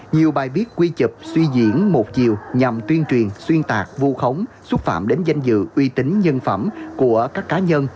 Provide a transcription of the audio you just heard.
nhiều bài viết quy chụp suy diễn một chiều nhằm tuyên truyền xuyên tạc vu khống xúc phạm đến danh dự uy tín nhân phẩm của các cá nhân